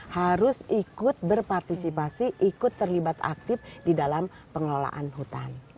harus ikut berpartisipasi ikut terlibat aktif di dalam pengelolaan hutan